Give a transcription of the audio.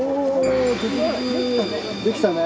できたね。